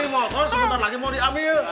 ini mau sebentar lagi mau diambil